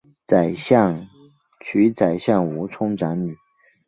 娶宰相吴充长女。